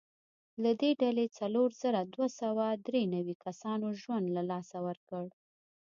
له دې ډلې څلور زره دوه سوه درې نوي کسانو ژوند له لاسه ورکړ.